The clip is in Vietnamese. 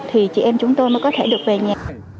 thì chị em chúng tôi mới có thể được về nhà